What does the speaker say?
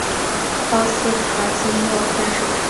奥斯坦金诺电视塔。